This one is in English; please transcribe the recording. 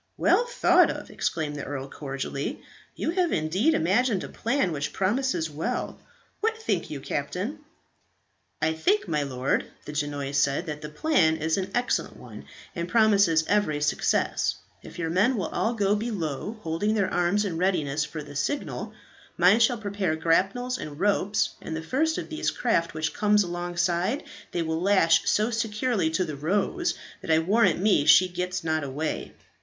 "Well thought of!" exclaimed the earl, cordially. "You have indeed imagined a plan which promises well. What think you, captain?" "I think, my lord," the Genoese said, "that the plan is an excellent one, and promises every success. If your men will all go below, holding their arms in readiness for the signal, mine shall prepare grapnels and ropes, and the first of these craft which comes alongside they will lash so securely to the "Rose" that I warrant me she gets not away."